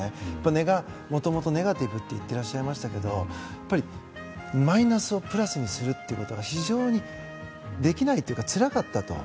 根がもともとネガティブと言っていらっしゃいましたがマイナスをプラスにするってことは非常にできないというかつらかったと。